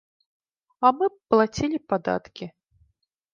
А мы б плацілі падаткі.